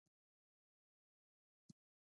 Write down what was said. افغانستان زما کور دی؟